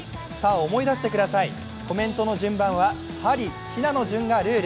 思い出してください、コメントの順番ははり・ひなの順がルール。